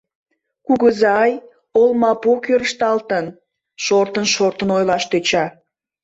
— Кугызай... олмапу кӱрышталтын... — шортын-шортын ойлаш тӧча.